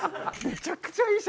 めちゃくちゃいい！